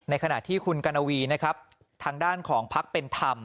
ขณะที่คุณกัณวีนะครับทางด้านของพักเป็นธรรม